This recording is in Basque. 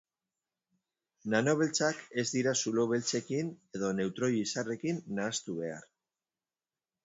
Nano beltzak ez dira zulo beltzekin edo neutroi-izarrekin nahastu behar.